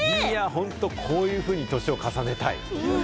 本当に、こういうふうに年を重ねたい。